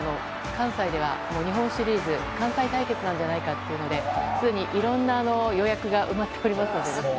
関西では日本シリーズ関西対決じゃないかということですでにいろんな予約が埋まっております。